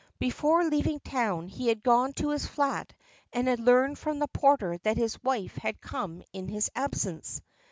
Before leaving town he had gone to his flat and had learned from the porter that his wife had come in his absence.